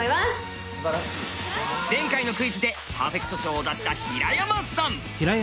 前回のクイズでパーフェクト賞を出した平山さん！